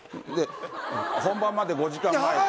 で「本番まで５時間前」。